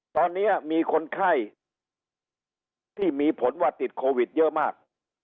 ตอนนี้มีคนไข้ที่มีผลว่าติดโควิดเยอะมาก